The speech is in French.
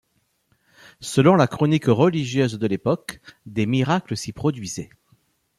Selon la chronique religieuse de l'époque, des miracles s'y produisaient.